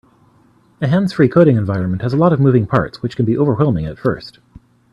A hands-free coding environment has a lot of moving parts, which can be overwhelming at first.